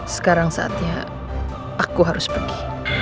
sekarang saatnya aku harus pergi